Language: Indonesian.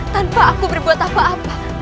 tanpa aku berbuat apa apa